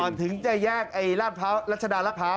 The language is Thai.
ก่อนถึงจะแยกรัชดารับเผ้า